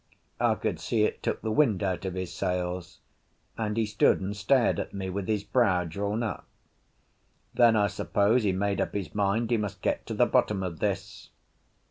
I could see it took the wind out of his sails, and he stood and stared at me with his brow drawn up. Then I suppose he made up his mind he must get to the bottom of this.